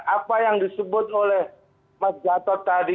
apa yang disebut oleh mas gatot tadi